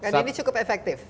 jadi ini cukup efektif